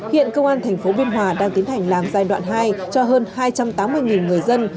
hiện công an thành phố biên hòa đang tiến hành làm giai đoạn hai cho hơn hai trăm tám mươi người dân